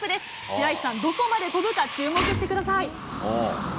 白石さん、どこまで飛ぶか、注目してください。